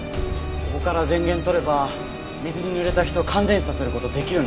ここから電源を取れば水に濡れた人を感電死させる事できるね。